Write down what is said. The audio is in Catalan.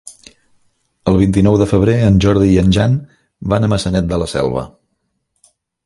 El vint-i-nou de febrer en Jordi i en Jan van a Maçanet de la Selva.